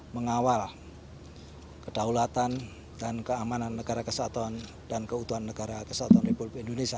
mengawal kedaulatan dan keamanan negara kesatuan dan keutuhan negara kesatuan republik indonesia